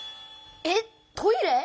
えっトイレ！？